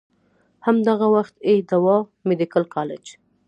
هم دغه وخت ئې ډاؤ ميډيکل کالج